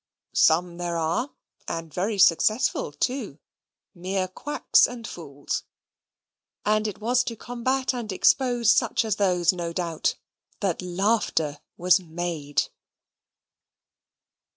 Some there are, and very successful too, mere quacks and fools: and it was to combat and expose such as those, no doubt, that Laughter was made.